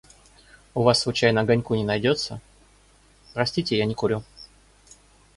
«У вас случайно огоньку не найдется?» — «Простите, я не курю».